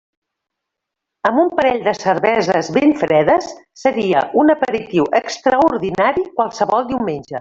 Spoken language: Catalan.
Amb un parell de cerveses ben fredes seria un aperitiu extraordinari qualsevol diumenge.